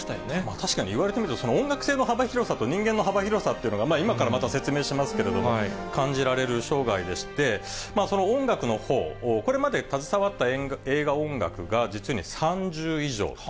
確かに言われても音楽性の幅広さと人間の幅広さっていうのが、今からまた説明しますけれど、感じられる生涯でして、その音楽のほう、これまで携わった映画音楽が実に３０以上。